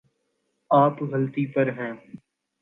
آپ غلطی پر ہیں